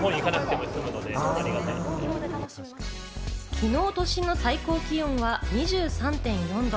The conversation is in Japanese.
昨日、都心の最高気温は２３．４度。